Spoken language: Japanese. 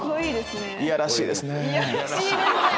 いやらしいですね